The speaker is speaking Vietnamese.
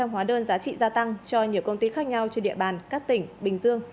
hóa đơn giá trị gia tăng cho nhiều công ty khác nhau trên địa bàn các tỉnh bình dương